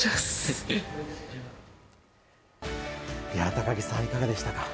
高木さん、いかがでしたか？